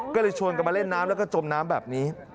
ก็เลยชวนกันมาเล่นน้ำแล้วก็จมน้ำแบบนี้